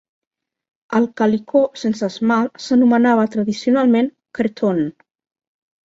El calicó sense esmalt s'anomenava tradicionalment "cretonne".